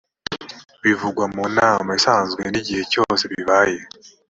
bivugwa mu nama isanzwe n’igihe cyose bibaye